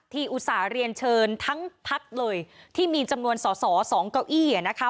อุตส่าห์เรียนเชิญทั้งพักเลยที่มีจำนวนสอสอสองเก้าอี้อ่ะนะคะ